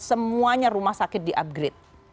semuanya rumah sakit di upgrade